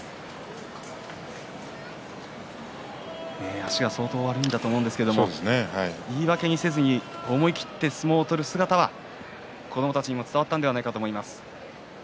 足が相当悪いんだと思うんですけれども言い訳せず思い切って相撲を取る姿は子どもたちにも伝わったのではないかと思います。